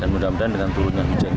dan mudah mudahan dengan turunnya hujan